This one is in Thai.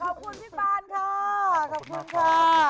ขอบคุณพี่ปานคคุณค่ะ